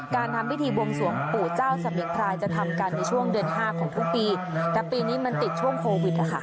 การทำพิธีบวงสวงปู่เจ้าเสบียงพรายจะทำกันในช่วงเดือนห้าของทุกปีแต่ปีนี้มันติดช่วงโควิดนะคะ